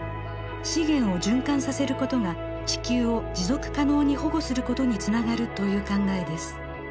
資源を循環させることが地球を持続可能に保護することにつながるという考えです。